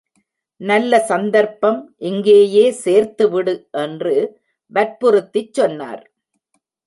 நல்ல சந்தர்ப்பம், இங்கேயே சேர்த்துவிடு என்று வற்புறுத்திச் சொன்னார்.